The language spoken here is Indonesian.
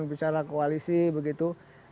bicara koalisi begitu